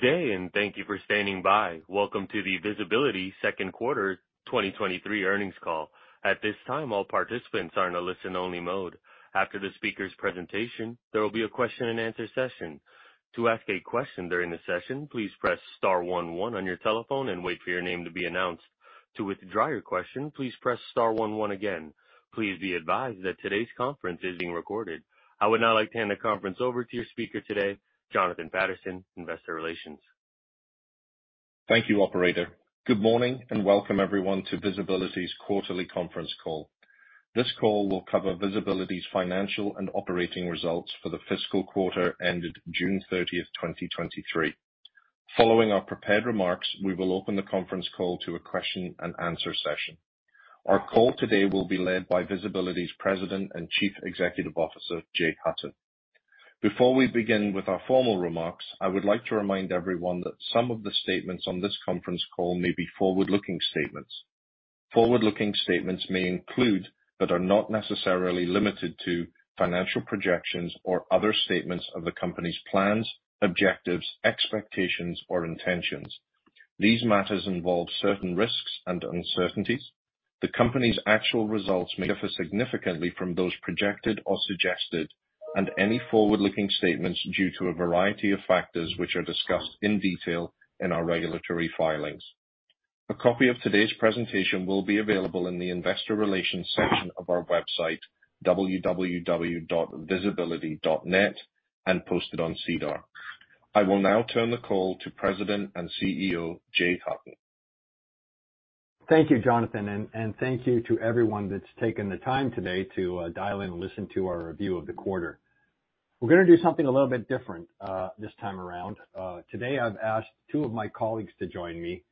Good day, and thank you for standing by. Welcome to the VSBLTY second quarter 2023 earnings call. At this time, all participants are in a listen-only mode. After the speaker's presentation, there will be a question-and-answer session. To ask a question during the session, please press star one one on your telephone and wait for your name to be announced. To withdraw your question, please press star one one again. Please be advised that today's conference is being recorded. I would now like to hand the conference over to your speaker today, Jonathan Paterson, Investor Relations. Thank you, operator. Good morning, and welcome everyone to VSBLTY's quarterly conference call. This call will cover VSBLTY's financial and operating results for the fiscal quarter ended June 30th, 2023. Following our prepared remarks, we will open the conference call to a question-and-answer session. Our call today will be led by VSBLTY's President and Chief Executive Officer, Jay Hutton. Before we begin with our formal remarks, I would like to remind everyone that some of the statements on this conference call may be forward-looking statements. Forward-looking statements may include, but are not necessarily limited to, financial projections or other statements of the company's plans, objectives, expectations, or intentions. These matters involve certain risks and uncertainties. The company's actual results may differ significantly from those projected or suggested and any forward-looking statements due to a variety of factors, which are discussed in detail in our regulatory filings. A copy of today's presentation will be available in the investor relations section of our website, www.vsblty.net, and posted on SEDAR. I will now turn the call to President and CEO, Jay Hutton. Thank you, Jonathan, and thank you to everyone that's taken the time today to dial in and listen to our review of the quarter. We're gonna do something a little bit different this time around. Today, I've asked two of my colleagues to join me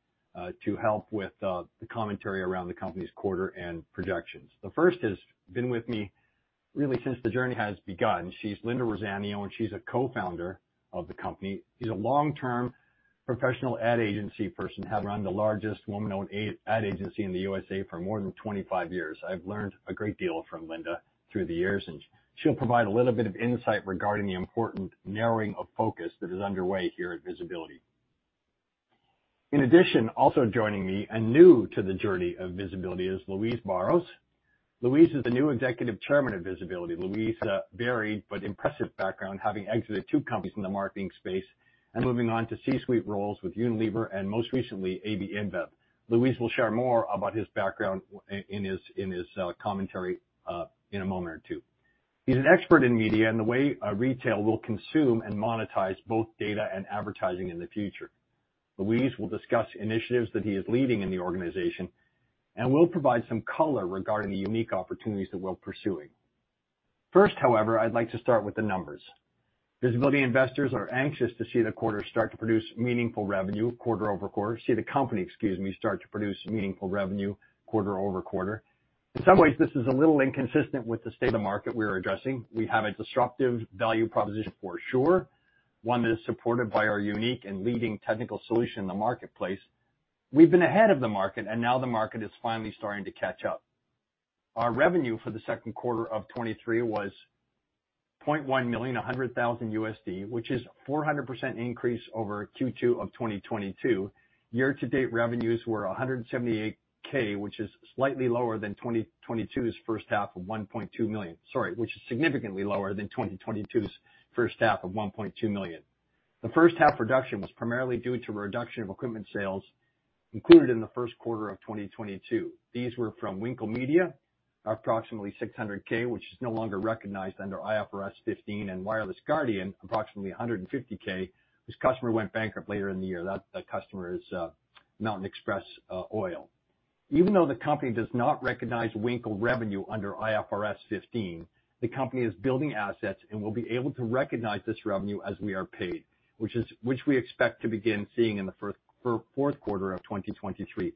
to help with the commentary around the company's quarter and projections. The first has been with me really since the journey has begun. She's Linda Rosanio, and she's a co-founder of the company. She's a long-term professional ad agency person, having run the largest woman-owned ad agency in the U.S.A. for more than 25 years. I've learned a great deal from Linda through the years, and she'll provide a little bit of insight regarding the important narrowing of focus that is underway here at VSBLTY. In addition, also joining me, and new to the journey of VSBLTY, is Luiz Barros. Luiz is the new Executive Chairman of VSBLTY. Luiz, a varied but impressive background, having exited two companies in the marketing space and moving on to C-suite roles with Unilever and most recently, AB InBev. Luiz will share more about his background in his commentary in a moment or two. He's an expert in media and the way retail will consume and monetize both data and advertising in the future. Luiz will discuss initiatives that he is leading in the organization and will provide some color regarding the unique opportunities that we're pursuing. First, however, I'd like to start with the numbers. VSBLTY investors are anxious to see the quarter start to produce meaningful revenue quarter-over-quarter. See the company, excuse me, start to produce meaningful revenue quarter over quarter. In some ways, this is a little inconsistent with the state of the market we're addressing. We have a disruptive value proposition for sure, one that is supported by our unique and leading technical solution in the marketplace. We've been ahead of the market, and now the market is finally starting to catch up. Our revenue for the second quarter of 2023 was $0.1 million, $100,000 USD, which is 400% increase over Q2 of 2022. Year-to-date revenues were $178,000, which is slightly lower than 2022's first half of $1.2 million. Sorry, which is significantly lower than 2022's first half of $1.2 million. The first half reduction was primarily due to a reduction of equipment sales included in the first quarter of 2022. These were from Winkel Media, approximately $600,000, which is no longer recognized under IFRS 15, and Wireless Guardian, approximately $150,000. This customer went bankrupt later in the year. That customer is Mountain Express Oil. Even though the company does not recognize Winkel revenue under IFRS 15, the company is building assets and will be able to recognize this revenue as we are paid, which we expect to begin seeing in the fourth quarter of 2023.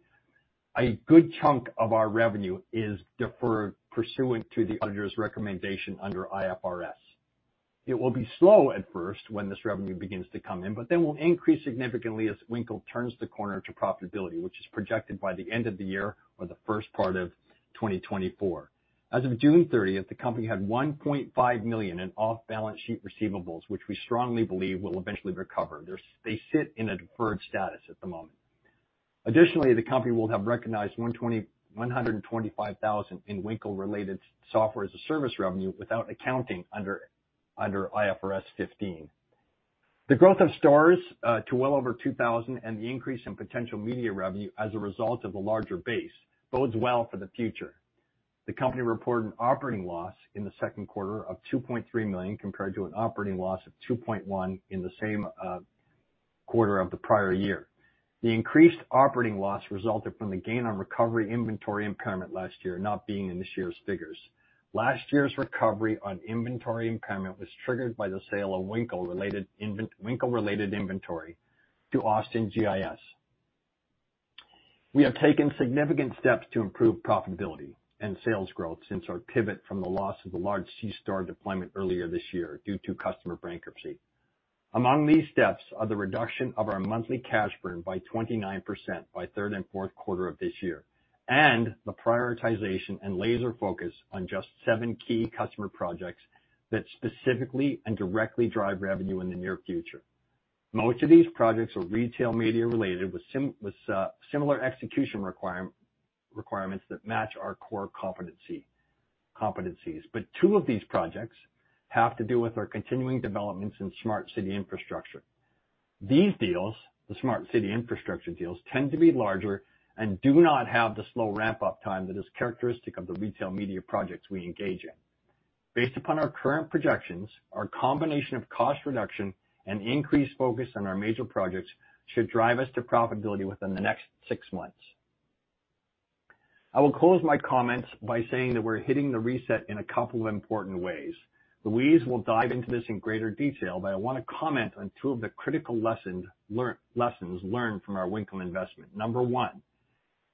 A good chunk of our revenue is deferred pursuant to the auditor's recommendation under IFRS. It will be slow at first when this revenue begins to come in, but then will increase significantly as Winkel turns the corner to profitability, which is projected by the end of the year or the first part of 2024. As of June 30, the company had $1.5 million in off-balance sheet receivables, which we strongly believe will eventually recover. They sit in a deferred status at the moment. Additionally, the company will have recognized $125,000 in Winkel-related software as a service revenue without accounting under IFRS 15. The growth of stores to well over $2,000 and the increase in potential media revenue as a result of a larger base bodes well for the future. The company reported an operating loss in the second quarter of $2.3 million, compared to an operating loss of $2.1 million in the same quarter of the prior year. The increased operating loss resulted from the gain on recovery inventory impairment last year, not being in this year's figures. Last year's recovery on inventory impairment was triggered by the sale of Winkel-related inventory to AustinGIS. We have taken significant steps to improve profitability and sales growth since our pivot from the loss of a large C-store deployment earlier this year due to customer bankruptcy. Among these steps are the reduction of our monthly cash burn by 29% by third and fourth quarter of this year, and the prioritization and laser focus on just seven key customer projects that specifically and directly drive revenue in the near future. Most of these projects are retail media related, with similar execution requirements that match our core competencies. But two of these projects have to do with our continuing developments in smart city infrastructure. These deals, the smart city infrastructure deals, tend to be larger and do not have the slow ramp-up time that is characteristic of the retail media projects we engage in. Based upon our current projections, our combination of cost reduction and increased focus on our major projects should drive us to profitability within the next six months. I will close my comments by saying that we're hitting the reset in a couple of important ways. Luiz will dive into this in greater detail, but I want to comment on two of the critical lessons learned from our Winkel investment. Number one,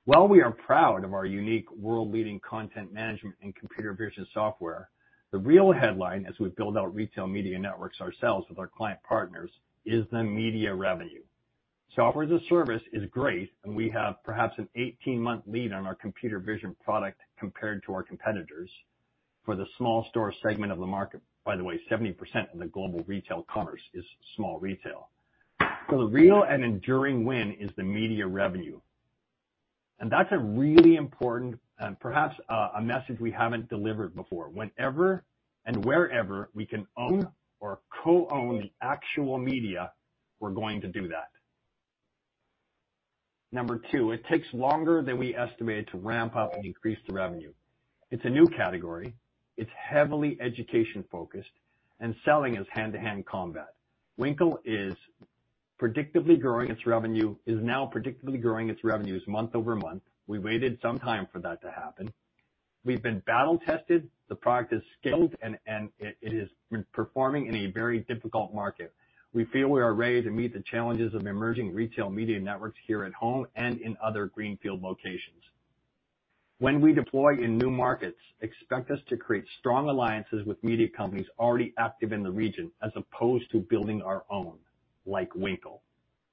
while we are proud of our unique world-leading content management and computer vision software, the real headline as we build out retail media networks ourselves with our client partners, is the media revenue. Software as a service is great, and we have perhaps an 18-month lead on our computer vision product compared to our competitors for the small store segment of the market. By the way, 70% of the global retail commerce is small retail. So the real and enduring win is the media revenue, and that's a really important and perhaps a message we haven't delivered before. Whenever and wherever we can own or co-own the actual media, we're going to do that. Number two, it takes longer than we estimated to ramp up and increase the revenue. It's a new category, it's heavily education-focused, and selling is hand-to-hand combat. Winkel is predictably growing its revenue, is now predictably growing its revenues month over month. We waited some time for that to happen. We've been battle tested. The product is scaled, and it has been performing in a very difficult market. We feel we are ready to meet the challenges of emerging retail media networks here at home and in other greenfield locations. When we deploy in new markets, expect us to create strong alliances with media companies already active in the region, as opposed to building our own, like Winkel.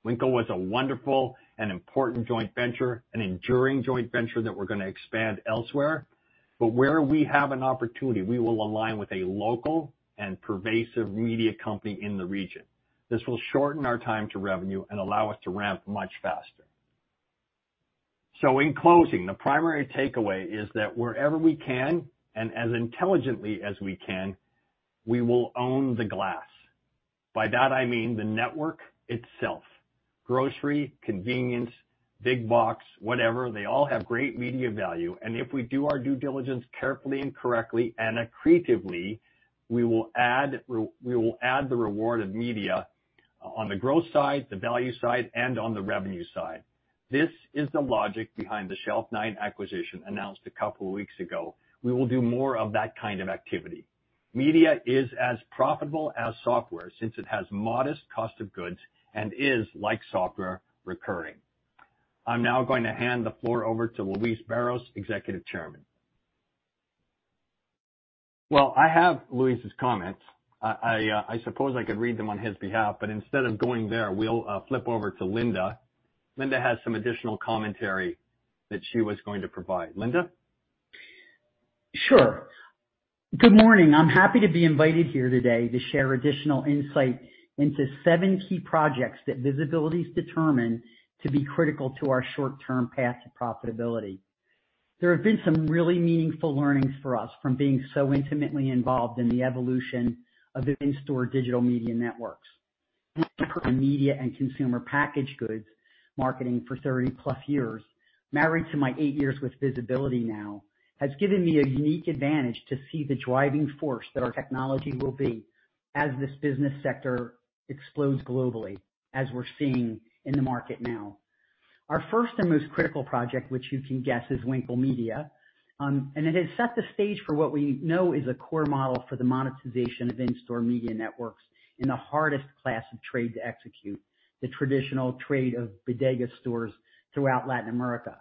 Winkel was a wonderful and important joint venture, an enduring joint venture that we're going to expand elsewhere. But where we have an opportunity, we will align with a local and pervasive media company in the region. This will shorten our time to revenue and allow us to ramp much faster. In closing, the primary takeaway is that wherever we can and as intelligently as we can, we will own the glass. By that I mean the network itself, grocery, convenience, big box, whatever, they all have great media value, and if we do our due diligence carefully and correctly and creatively, we will add the reward of media on the growth side, the value side, and on the revenue side. This is the logic behind the Shelf Nine acquisition announced a couple of weeks ago. We will do more of that kind of activity. Media is as profitable as software, since it has modest cost of goods and is, like software, recurring. I'm now going to hand the floor over to Luiz Barros, Executive Chairman. Well, I have Luiz's comments. I suppose I could read them on his behalf, but instead of going there, we'll flip over to Linda. Linda? Sure. Good morning. I'm happy to be invited here today to share additional insight into seven key projects that VSBLTY's determined to be critical to our short-term path to profitability. There have been some really meaningful learnings for us from being so intimately involved in the evolution of the in-store digital media networks. Media and consumer packaged goods, marketing for 30+ years, married to my eight years with VSBLTY now, has given me a unique advantage to see the driving force that our technology will be as this business sector explodes globally, as we're seeing in the market now. Our first and most critical project, which you can guess, is Winkel Media, and it has set the stage for what we know is a core model for the monetization of in-store media networks in the hardest class of trade to execute, the traditional trade of bodega stores throughout Latin America.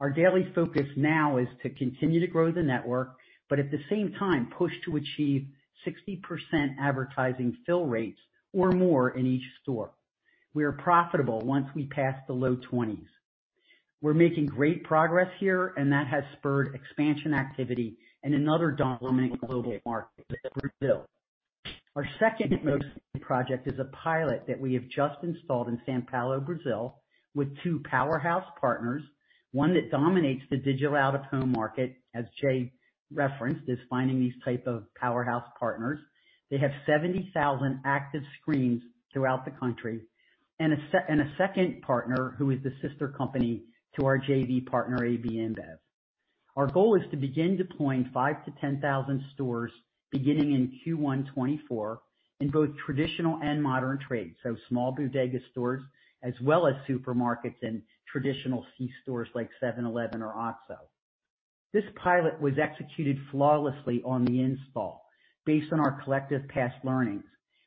Our daily focus now is to continue to grow the network, but at the same time, push to achieve 60% advertising fill rates or more in each store. We are profitable once we pass the low 20's. We're making great progress here, and that has spurred expansion activity in another dominant global market, Brazil. Our second most project is a pilot that we have just installed in São Paulo, Brazil, with two powerhouse partners, one that dominates the digital out-of-home market, as Jay referenced, is finding these type of powerhouse partners. They have 70,000 active screens throughout the country, and a second partner who is the sister company to our JV partner, AB InBev. Our goal is to begin deploying 5,000-10,000 stores beginning in Q1 2024 in both traditional and modern trade, so small bodega stores as well as supermarkets and traditional C stores like 7-Eleven or OXXO. This pilot was executed flawlessly on the install based on our collective past learnings.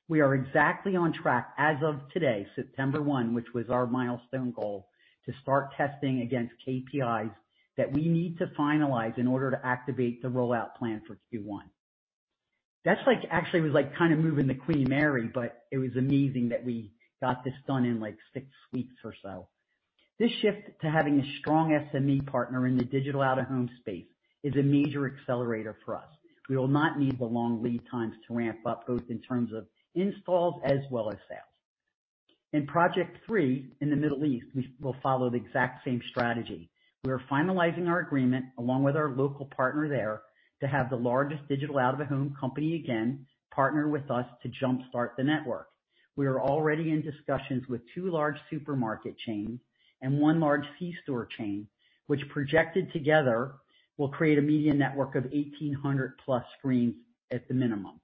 We are exactly on track as of today, September 1, which was our milestone goal, to start testing against KPIs that we need to finalize in order to activate the rollout plan for Q1. That's like, actually, it was like kind of moving the Queen Mary, but it was amazing that we got this done in, like, six weeks or so. This shift to having a strong SME partner in the digital out-of-home space is a major accelerator for us. We will not need the long lead times to ramp up, both in terms of installs as well as sales. In project three, in the Middle East, we will follow the exact same strategy. We are finalizing our agreement, along with our local partner there, to have the largest digital out-of-home company again partner with us to jumpstart the network. We are already in discussions with two large supermarket chains and one large C-store chain, which projected together, will create a media network of 1,800+ screens at the minimum.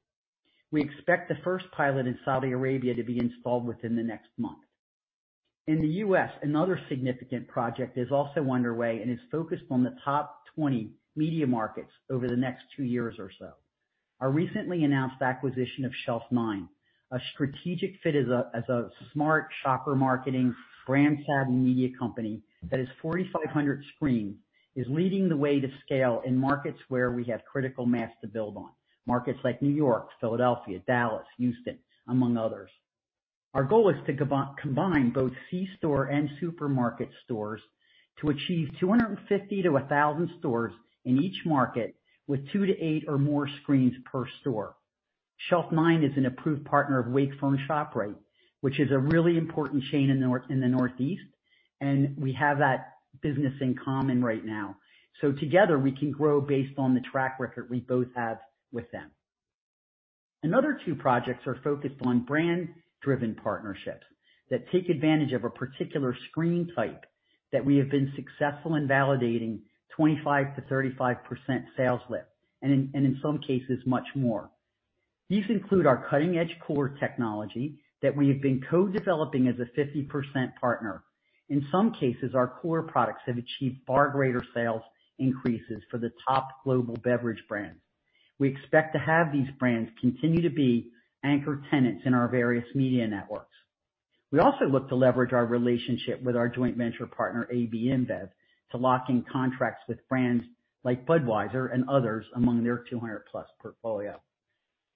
We expect the first pilot in Saudi Arabia to be installed within the next month. In the U.S., another significant project is also underway and is focused on the top 20 media markets over the next two years or so. Our recently announced acquisition of Shelf Nine, a strategic fit as a smart shopper marketing brand-led media company that has 4,500 screens, is leading the way to scale in markets where we have critical mass to build on. Markets like New York, Philadelphia, Dallas, Houston, among others. Our goal is to combine both C-store and supermarket stores to achieve 250-1,000 stores in each market, with two-eight or more screens per store. Shelf Nine is an approved partner of Wakefern ShopRite, which is a really important chain in the Northeast, and we have that business in common right now. So together, we can grow based on the track record we both have with them. Another two projects are focused on brand-driven partnerships that take advantage of a particular screen type that we have been successful in validating 25%-35% sales lift, and in some cases, much more. These include our cutting-edge core technology that we have been co-developing as a 50% partner. In some cases, our core products have achieved far greater sales increases for the top global beverage brands. We expect to have these brands continue to be anchor tenants in our various media networks. We also look to leverage our relationship with our joint venture partner, AB InBev, to lock in contracts with brands like Budweiser and others among their 200+ portfolio.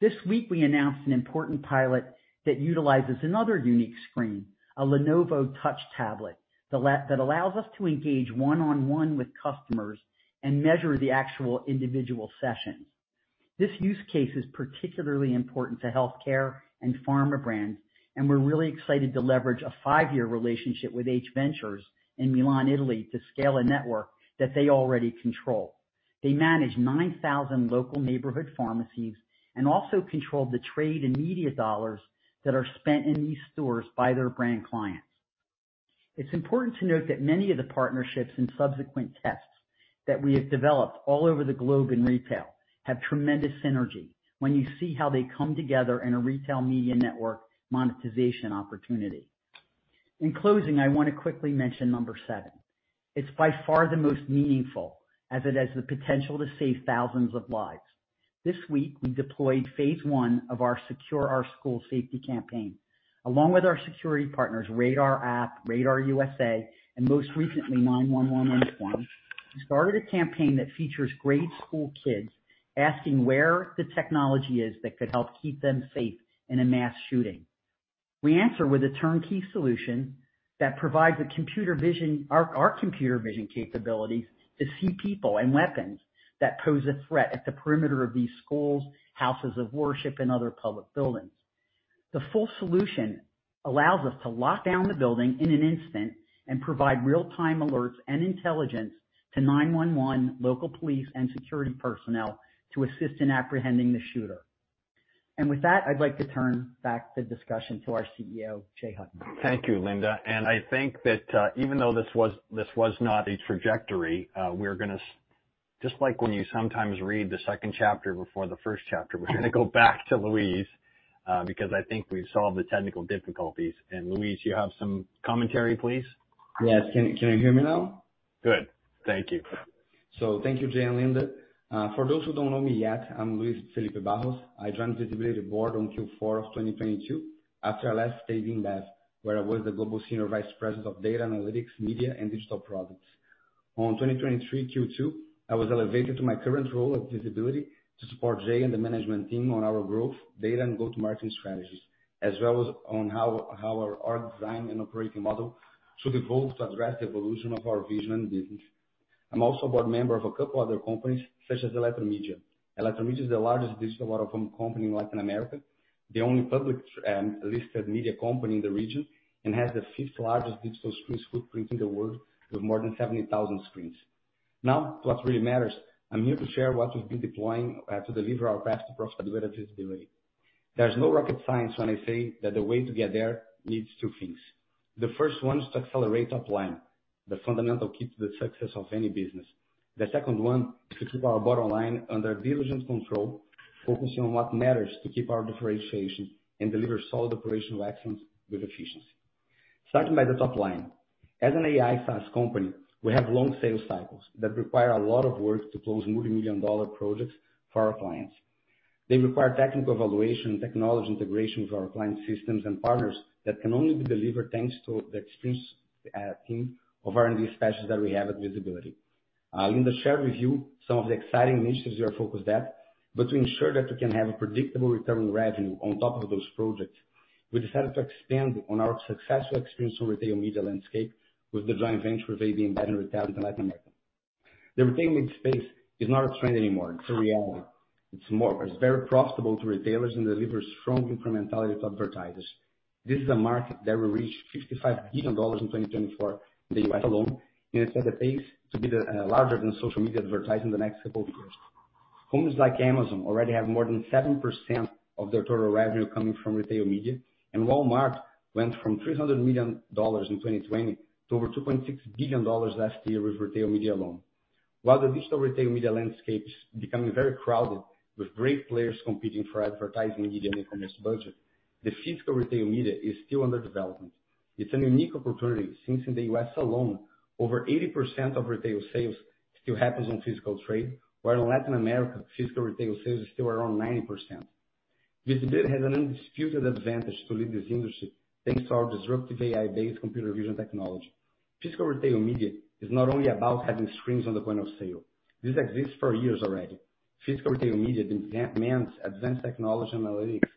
This week, we announced an important pilot that utilizes another unique screen, a Lenovo touch tablet, that allows us to engage one-on-one with customers and measure the actual individual sessions. This use case is particularly important to healthcare and pharma brands, and we're really excited to leverage a five-year relationship with H-Ventures in Milan, Italy, to scale a network that they already control. They manage 9,000 local neighborhood pharmacies and also control the trade and media dollars that are spent in these stores by their brand clients. It's important to note that many of the partnerships and subsequent tests that we have developed all over the globe in retail have tremendous synergy when you see how they come together in a retail media network monetization opportunity. In closing, I want to quickly mention number seven. It's by far the most meaningful, as it has the potential to save thousands of lives. This week, we deployed phase I of our Secure Our Schools Safety campaign. Along with our security partners, Radar App, Radar U.S.A., and most recently, nine one one, inform, we started a campaign that features grade school kids asking where the technology is that could help keep them safe in a mass shooting. We answer with a turnkey solution that provides the computer vision, our computer vision capabilities, to see people and weapons that pose a threat at the perimeter of these schools, houses of worship, and other public buildings. The full solution allows us to lock down the building in an instant and provide real-time alerts and intelligence to nine one one, local police, and security personnel to assist in apprehending the shooter. With that, I'd like to turn back the discussion to our CEO, Jay Hutton. Thank you, Linda. And I think that, even though this was, this was not a trajectory, we're gonna just like when you sometimes read the second chapter before the first chapter, we're gonna go back to Luiz, because I think we've solved the technical difficulties. And Luiz, you have some commentary, please? Yes. Can you hear me now? Good. Thank you. So thank you, Jay and Linda. For those who don't know me yet, I'm Luiz Felipe Barros. I joined VSBLTY Board on Q4 of 2022 after AB InBev, where I was the Global Senior Vice President of Data Analytics, Media, and Digital Products. On 2023 Q2, I was elevated to my current role at VSBLTY to support Jay and the management team on our growth, data, and go-to-market strategies, as well as on how our org design and operating model should evolve to address the evolution of our vision and business. I'm also a board member of a couple other companies, such as Eletromidia. Eletromidia is the largest digital out-of-home company in Latin America, the only public listed media company in the region, and has the fifth largest digital screens footprint in the world, with more than 70,000 screens. Now, to what really matters. I'm here to share what we've been deploying to deliver our path to profit visibility. There's no rocket science when I say that the way to get there needs two things. The first one is to accelerate top line, the fundamental key to the success of any business. The second one is to keep our bottom line under diligent control, focusing on what matters to keep our differentiation and deliver solid operational actions with efficiency. Starting by the top line. As an AI SaaS company, we have long sales cycles that require a lot of work to close multimillion-dollar projects for our clients. They require technical evaluation and technology integration with our client systems and partners that can only be delivered thanks to the expertise of our team of R&D specialists that we have at VSBLTY. Linda shared with you some of the exciting initiatives we are focused at, but to ensure that we can have a predictable return on revenue on top of those projects, we decided to expand on our successful experience on retail media landscape with the joint venture of AB InBev and retail in Latin America. The retail media space is not a trend anymore, it's a reality. It's more, it's very profitable to retailers and delivers strong incrementality to advertisers. This is a market that will reach $55 billion in 2024 in the U.S. alone, and it's at a pace to be the larger than social media advertising the next couple of years. Companies like Amazon already have more than 7% of their total revenue coming from retail media, and Walmart went from $300 million in 2020 to over $2.6 billion last year with retail media alone. While the digital retail media landscape is becoming very crowded, with great players competing for advertising, media, and e-commerce budget, the physical retail media is still under development. It's a unique opportunity, since in the U.S. alone, over 80% of retail sales still happens on physical trade, while in Latin America, physical retail sales are still around 90%. VSBLTY has an undisputed advantage to lead this industry thanks to our disruptive AI-based computer vision technology. Physical retail media is not only about having screens on the point of sale. This exists for years already. Physical retail media means advanced technology and analytics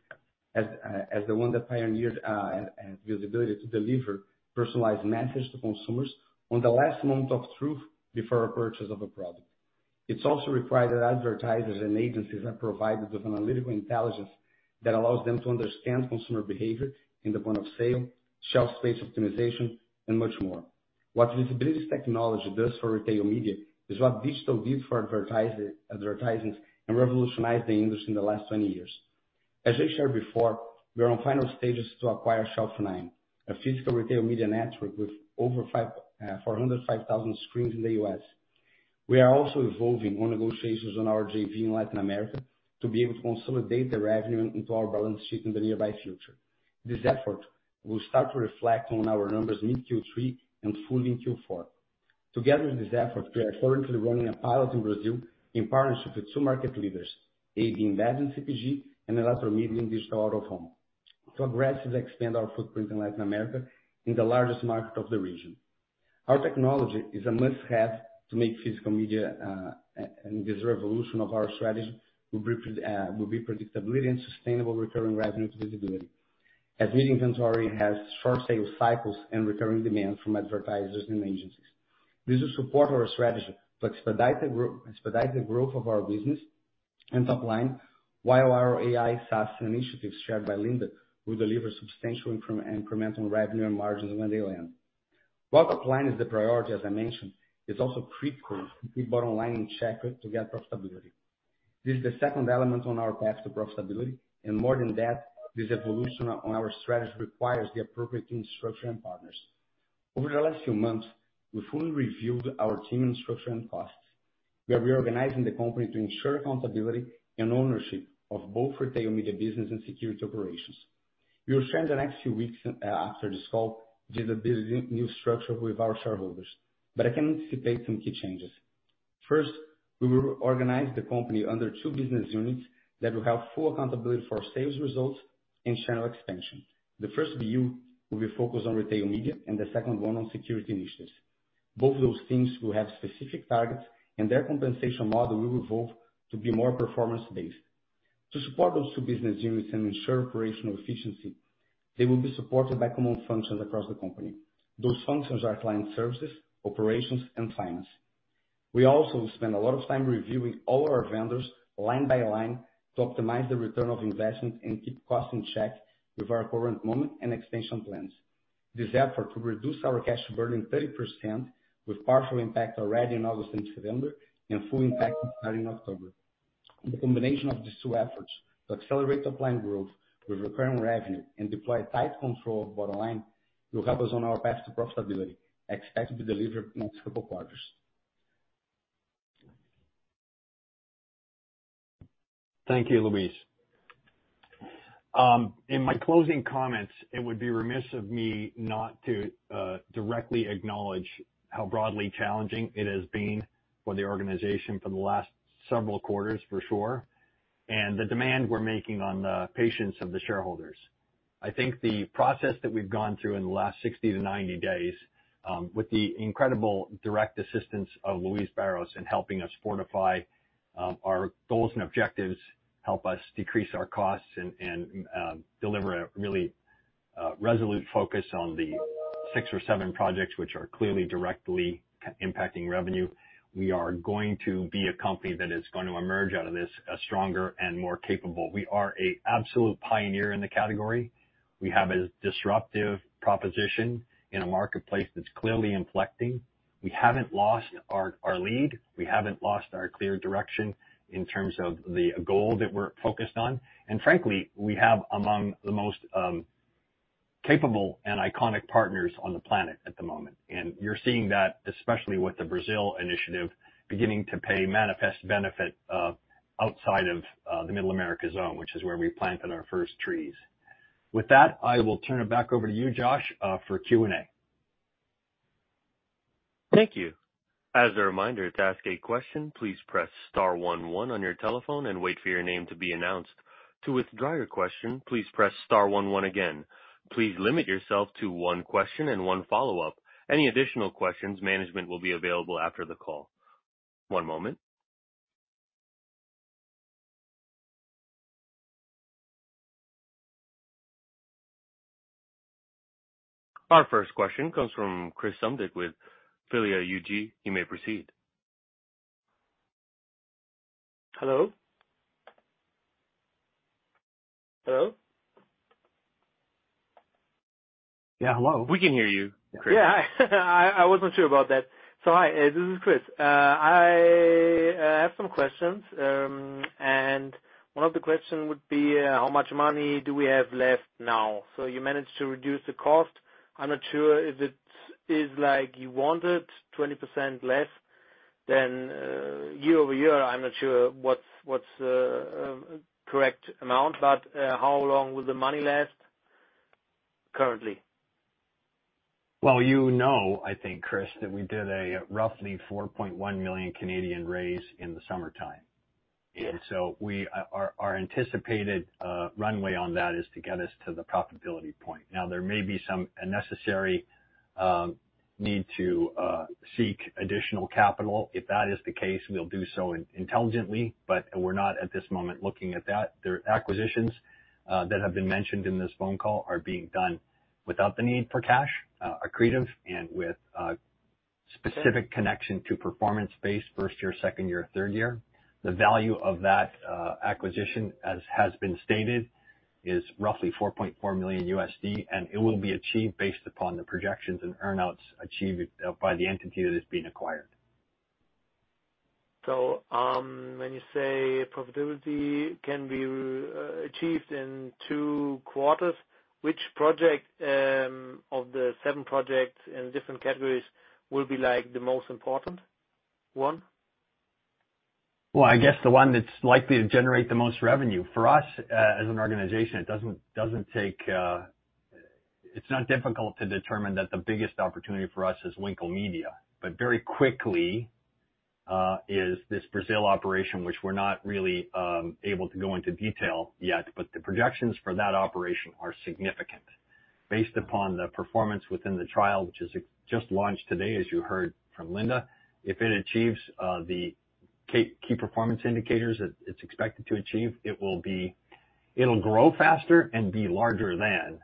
as, as the one that pioneered, and, and VSBLTY to deliver personalized messages to consumers on the last moment of truth before a purchase of a product. It's also required that advertisers and agencies are provided with analytical intelligence that allows them to understand consumer behavior in the point of sale, shelf space optimization, and much more. What VSBLTY technology does for retail media is what digital did for advertising and revolutionized the industry in the last 20 years. As I shared before, we are on final stages to acquire Shelf Nine, a physical retail media network with over 4,500 screens in the U.S. We are also evolving on negotiations on our JV in Latin America to be able to consolidate the revenue into our balance sheet in the nearby future. This effort will start to reflect on our numbers mid-Q3 and fully in Q4. Together with this effort, we are currently running a pilot in Brazil in partnership with two market leaders, AB InBev in CPG and Eletromidia in digital out-of-home, to aggressively expand our footprint in Latin America in the largest market of the region. Our technology is a must-have to make physical media, and this revolution of our strategy will bring, will be predictability and sustainable recurring revenue to VSBLTY. As media inventory has short sales cycles and recurring demand from advertisers and agencies. This will support our strategy to expedite the growth of our business and top line, while our AI SaaS initiatives, shared by Linda, will deliver substantial incremental revenue and margins when they land. While top line is the priority, as I mentioned, it's also critical to keep bottom line in check to get profitability. This is the second element on our path to profitability, and more than that, this evolution on our strategy requires the appropriate team structure and partners. Over the last few months, we fully reviewed our team and structure and costs. We are reorganizing the company to ensure accountability and ownership of both retail media business and security operations. We will share in the next few weeks, after this call, VSBLTY's new structure with our shareholders, but I can anticipate some key changes. First, we will organize the company under two business units that will have full accountability for our sales results and channel expansion. The first view will be focused on retail media and the second one on security initiatives. Both those teams will have specific targets, and their compensation model will evolve to be more performance-based. To support those two business units and ensure operational efficiency, they will be supported by common functions across the company. Those functions are client services, operations, and finance. We also spend a lot of time reviewing all our vendors line by line, to optimize the return on investment and keep costs in check with our current moment and expansion plans. This effort will reduce our cash burn by 30%, with partial impact already in August and September, and full impact starting October. The combination of these two efforts to accelerate top line growth with recurring revenue and deploy tight control of bottom line, will help us on our path to profitability, expected to be delivered in multiple quarters. Thank you, Luiz. In my closing comments, it would be remiss of me not to directly acknowledge how broadly challenging it has been for the organization for the last several quarters, for sure, and the demand we're making on the patience of the shareholders. I think the process that we've gone through in the last 60-90 days, with the incredible direct assistance of Luiz Barros in helping us fortify our goals and objectives, help us decrease our costs and deliver a really resolute focus on the six or seven projects which are clearly directly impacting revenue. We are going to be a company that is going to emerge out of this as stronger and more capable. We are a absolute pioneer in the category. We have a disruptive proposition in a marketplace that's clearly inflecting. We haven't lost our lead, we haven't lost our clear direction in terms of the goal that we're focused on. And frankly, we have among the most capable and iconic partners on the planet at the moment, and you're seeing that especially with the Brazil initiative, beginning to pay manifest benefit outside of the Middle America zone, which is where we planted our first trees. With that, I will turn it back over to you, Josh, for Q&A. Thank you. As a reminder, to ask a question, please press star one one on your telephone and wait for your name to be announced. To withdraw your question, please press star one one again. Please limit yourself to one question and one follow-up. Any additional questions, management will be available after the call. One moment. Our first question comes from Chris Sundt with Philea AG. You may proceed. Hello? Hello? Yeah, hello. We can hear you, Chris. Yeah, I wasn't sure about that. So hi, this is Chris. I have some questions. And one of the questions would be, how much money do we have left now? So you managed to reduce the cost. I'm not sure if it is like you wanted, 20% less than, year-over-year. I'm not sure what's correct amount, but, how long will the money last currently? Well, you know, I think, Chris, that we did a roughly 4.1 million raise in the summertime. So our anticipated runway on that is to get us to the profitability point. Now, there may be some unnecessary need to seek additional capital. If that is the case, we'll do so intelligently, but we're not at this moment looking at that. The acquisitions that have been mentioned in this phone call are being done without the need for cash, accretive, and with a specific connection to performance-based first year, second year, third year. The value of that acquisition, as has been stated, is roughly $4.4 million, and it will be achieved based upon the projections and earn-outs achieved by the entity that is being acquired. When you say profitability can be achieved in two quarters, which project of the seven projects in different categories will be, like, the most important one? Well, I guess the one that's likely to generate the most revenue. For us, as an organization, it doesn't take. It's not difficult to determine that the biggest opportunity for us is Winkel Media, but very quickly is this Brazil operation, which we're not really able to go into detail yet, but the projections for that operation are significant. Based upon the performance within the trial, which is just launched today, as you heard from Linda, if it achieves the key performance indicators that it's expected to achieve, it will be, it'll grow faster and be larger than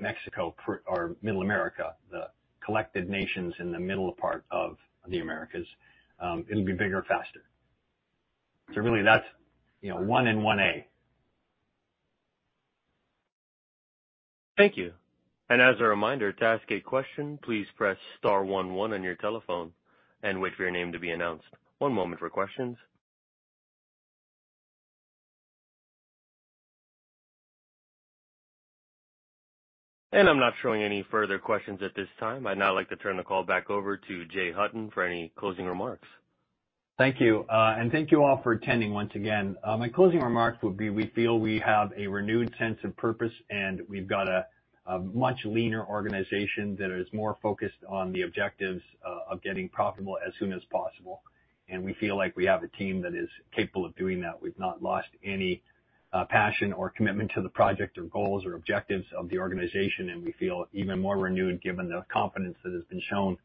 Mexico or Middle America, the collected nations in the middle part of the Americas. It'll be bigger, faster. So really, that's, you know, one and one A. Thank you. As a reminder, to ask a question, please press star one one on your telephone and wait for your name to be announced. One moment for questions. I'm not showing any further questions at this time. I'd now like to turn the call back over to Jay Hutton for any closing remarks. Thank you, and thank you all for attending once again. My closing remarks would be, we feel we have a renewed sense of purpose, and we've got a, a much leaner organization that is more focused on the objectives of getting profitable as soon as possible. We feel like we have a team that is capable of doing that. We've not lost any passion or commitment to the project or goals or objectives of the organization, and we feel even more renewed, given the confidence that has been shown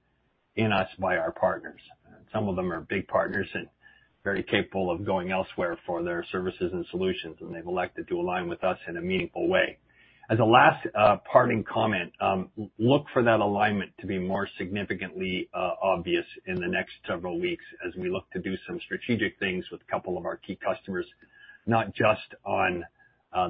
in us by our partners. Some of them are big partners and very capable of going elsewhere for their services and solutions, and they've elected to align with us in a meaningful way. As a last parting comment, look for that alignment to be more significantly obvious in the next several weeks as we look to do some strategic things with a couple of our key customers, not just on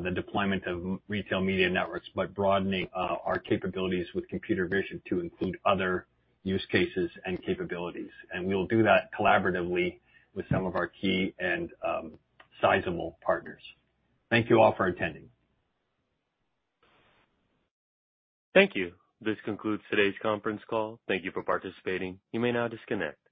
the deployment of retail media networks, but broadening our capabilities with computer vision to include other use cases and capabilities. And we'll do that collaboratively with some of our key and sizable partners. Thank you all for attending. Thank you. This concludes today's conference call. Thank you for participating. You may now disconnect.